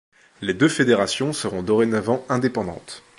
Les deux fédérations seront dorénavant indépendantes.